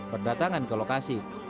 berdatangan ke lokasi